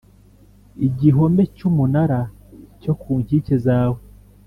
Igihome cy umunara cyo ku nkike zawe